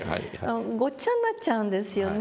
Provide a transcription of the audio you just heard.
ごっちゃになっちゃうんですよね